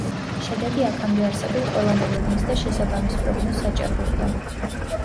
შედეგი აქამდე არსებულ ყველა მოლოდინს და შესაბამის პროგნოზს აჭარბებდა.